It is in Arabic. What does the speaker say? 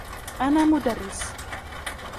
أنا مدرس.